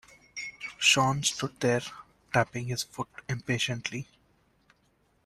Sean stood there tapping his foot impatiently.